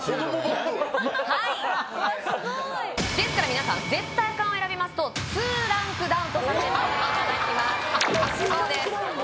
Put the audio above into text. はいですから皆さん絶対アカンを選びますと２ランクダウンとさせていただきますそうです